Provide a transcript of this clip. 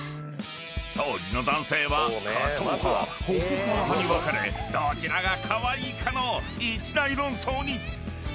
［当時の男性はかとう派細川派に分かれどちらがカワイイかの一大論争に］